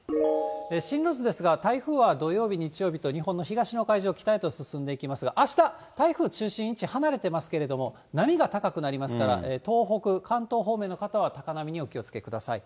進路図ですが、台風は土曜日、日曜日と、日本の東の海上、北へと進んでいきますが、あした、台風中心位置、離れていますけれども、波が高くなりますから、東北、関東方面の方は高波にお気をつけください。